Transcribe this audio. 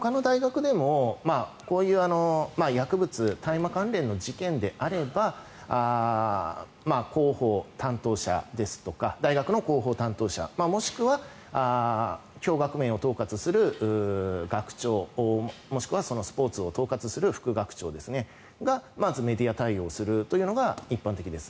ほかの学校でもこういう薬物大麻関連の事件であれば広報担当者ですとか大学の広報担当者もしくは教学面を統括する学長もしくはスポーツを統括する副学長がまずメディア対応するというのが一般的です。